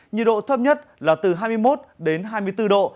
nhiệt độ thấp nhất là từ hai mươi một đến hai mươi bốn độ